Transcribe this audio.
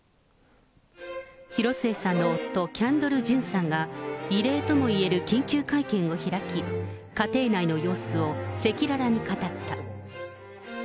広末さんの夫、キャンドル・ジュンさんが、異例ともいえる緊急会見を開き、家庭内の様子を赤裸々に語った。